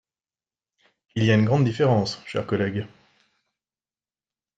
Il y a une grande différence, chers collègues.